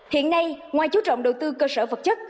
hiện nay ngoài chú trọng đầu tư cơ sở vật chất